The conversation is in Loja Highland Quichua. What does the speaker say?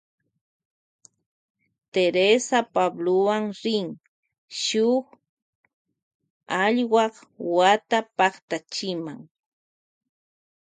Teresa Pablowan rin shuk alwak wata paktachima.